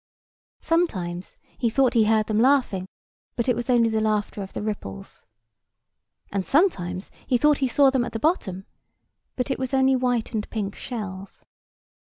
Sometimes he thought he heard them laughing: but it was only the laughter of the ripples. And sometimes he thought he saw them at the bottom: but it was only white and pink shells.